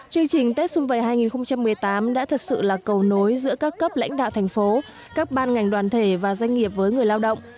chương trình tết xung vầy hai nghìn một mươi tám đã thật sự là cầu nối giữa các cấp lãnh đạo thành phố các ban ngành đoàn thể và doanh nghiệp với người lao động